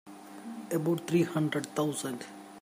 About three hundred thousand.